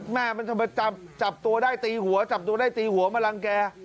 มันจะมาจับตัวได้ตีหัวจับตัวได้ตีหัวมารังแก